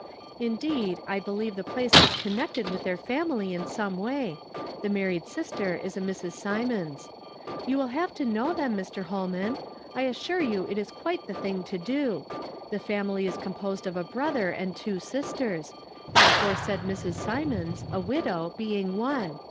Indeed, I believe the place was connected with their family in some way. The married sister is a Mrs. Symonds. You will have to know them, Mr. Holman ; 1 assure you it is quite tluj thing to do. The family is composed of a brother and two sisters ; the aforesaid Mrs. Symonds, a wddow, being one.